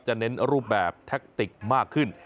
เน้นรูปแบบแท็กติกมากขึ้น